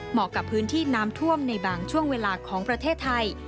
กับพื้นที่น้ำท่วมในบางช่วงเวลาของประเทศไทย